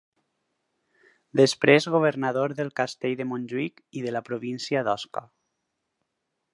Després governador del castell de Montjuïc i de la província d'Osca.